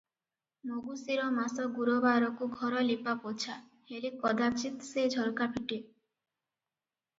ମଗୁଶିର ମାସ ଗୁରୁବାରକୁ ଘର ଲିପାପୋଛା ହେଲେ କଦାଚିତ୍ ସେ ଝରକା ଫିଟେ ।